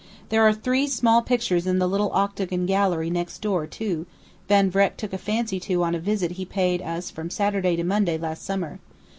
There are three small pictures in the little octagon gallery next door, too, Van Vreck took a fancy to on a visit he paid us from Saturday to Monday last summer.